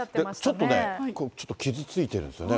ちょっとね、ちょっと傷ついてるんですよね。